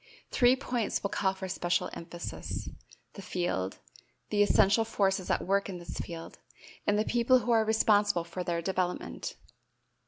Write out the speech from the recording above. Three points will call for special emphasis: the field, the essential forces at work in this field, and the people who are responsible for their development.